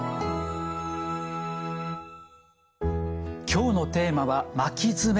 今日のテーマは「巻き爪」。